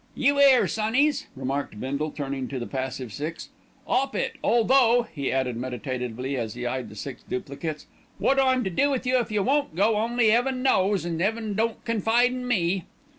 "You 'ear, sonnies?" remarked Bindle, turning to the passive six. "'Op it, although," he added meditatively as he eyed the six duplicates, "wot I'm to do with you if you won't go, only 'Eaven knows, an' 'Eaven don't confide in me."